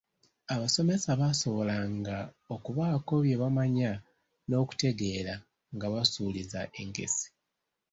Abasomesa baasobolanga okubaako bye bamanya n'okutegeera nga basuuliza enkessi.